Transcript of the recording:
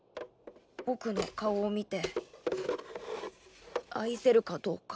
僕の顔を見て愛せるかどうか。